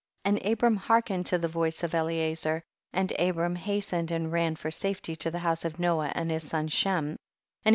61. And Abram hearkened to the voice of Eliezer. and Abram has tened and ran for safety to the house of Noah and his son, ijhem, and he 36 THE BOOK OF JASHER.